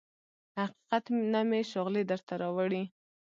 حقیقت نه مې شغلې درته راوړي